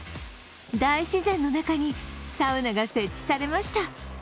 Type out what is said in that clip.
大自然の中にサウナが設置されました。